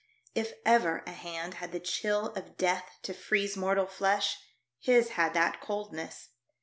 If ever a hand had the chill of death to freeze mortal flesh, his had that coldness.